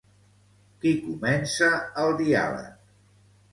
Qui comença el diàleg?